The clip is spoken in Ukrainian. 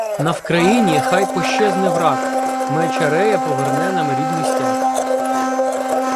На Вкраїні хай пощезне враг, Меч Арея поверне нам рідний стяг.